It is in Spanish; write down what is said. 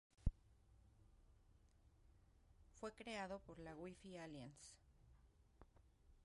Fue creado por la Wi-Fi Alliance.